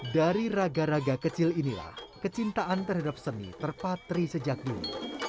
dari raga raga kecil inilah kecintaan terhadap seni terpatri sejak dulu